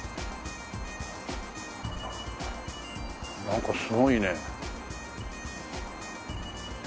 なんかすごいね。